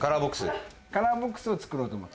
カラーボックスを作ろうと思う。